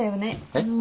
あの。